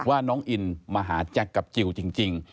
ว่าน้องอินมาหาแจ็คกับจิลจริง